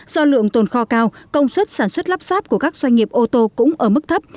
do lượng tồn kho cao công suất sản xuất lắp sáp của các doanh nghiệp ô tô cũng ở mức thấp